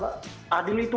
bapak kamu bisa berhenti